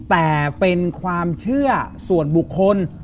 แต่เป็นความเชื่อส่วนบุคคล